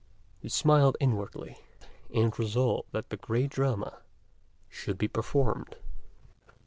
He smiled inwardly, and resolved that the great drama should be performed.